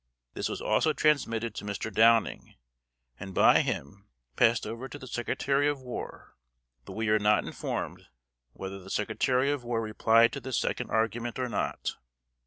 This was also transmitted to Mr. Downing, and by him passed over to the Secretary of War; but we are not informed whether the Secretary of War replied to this second argument or not.